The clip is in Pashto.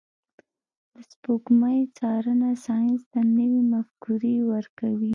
د سپوږمۍ څارنه ساینس ته نوي مفکورې ورکوي.